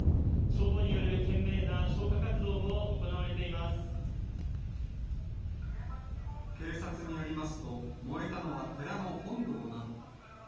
消防による懸命な消火活動も行わ警察によりますと、燃えたのは寺の本堂など。